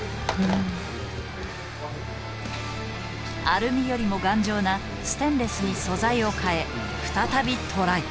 アルミよりも頑丈なステンレスに素材を替え再びトライ。